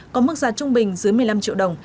có mức giá trung bình dưới một mươi năm triệu đồng